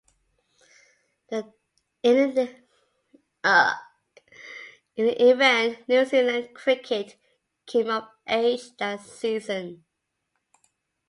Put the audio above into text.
In the event New Zealand cricket came of age that season.